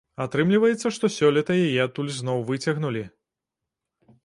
Атрымліваецца, што сёлета яе адтуль зноў выцягнулі.